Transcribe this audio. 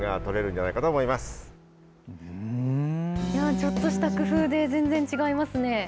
ちょっとした工夫で、全然違いますね。